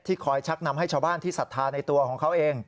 คอยชักนำให้ชาวบ้านที่ศรัทธาในตัวของเขาเอง